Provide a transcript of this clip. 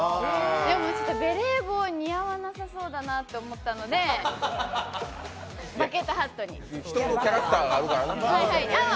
ちょとｔベレー帽、似合わなそうだなと思ったので、バケットハットに。